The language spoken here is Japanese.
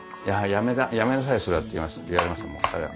「やめなさいそれ」って言われましたもん。